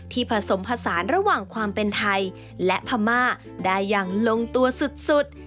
ผสมผสานระหว่างความเป็นไทยและพม่าได้อย่างลงตัวสุด